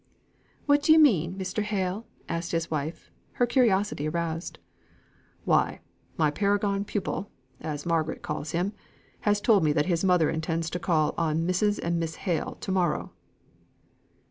"What do you mean, Mr. Hale?" asked his wife, her curiosity aroused. "Why, my paragon pupil (as Margaret calls him) has told me that his mother intends to call on Mrs. and Miss Hale to morrow."